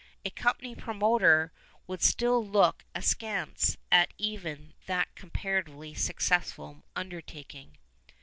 A company promoter would still look askance at even that comparatively successful undertaking.